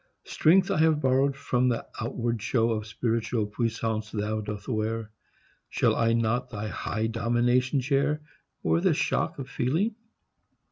Strength I have borrowed from the outward show Of spiritual puissance thou dost wear. Shall I not thy high domination share Over the shock of feeling?